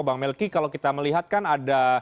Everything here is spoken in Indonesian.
bang melki kalau kita melihatkan ada